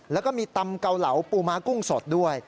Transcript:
แล้วก็มีตำเกาเหลาปูม้ากุ้งสดด้วย